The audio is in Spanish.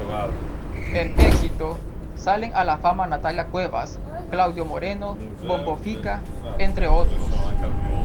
En "Éxito", salen a la fama Natalia Cuevas, Claudio Moreno, Bombo Fica, entre otros.